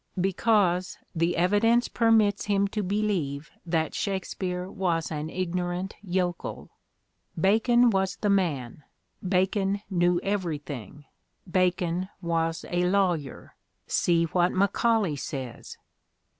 Because the evidence permits him to believe that Shakespeare was an ignorant yokel. Bacon was the man, Bacon knew everything, Bacon was a lawyer — see what Macaulay says!